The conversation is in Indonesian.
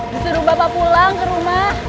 disuruh bapak pulang ke rumah